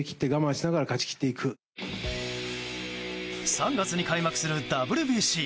３月に開幕するＷＢＣ。